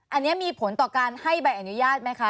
อันนี้มีผลต่อการให้ใบอนุญาตไหมคะ